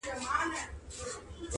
چي مي نظم ته هر توری ژوبل راسي،